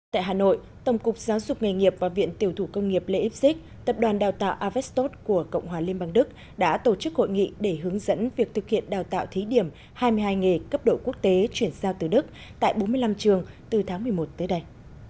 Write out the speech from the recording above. tại hà nội tổng cục giáo dục nghề nghiệp và viện tiểu thủ công nghiệp lê íp xích tập đoàn đào tạo avestot của cộng hòa liên bang đức đã tổ chức hội nghị để hướng dẫn việc thực hiện đào tạo thí điểm hai mươi hai nghề cấp độ quốc tế chuyển giao từ đức tại bốn mươi năm trường từ tháng một mươi một tới đây